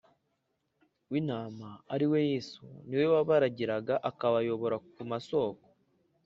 W intama ari we yesu ni we wabaragiraga akabayobora ku masoko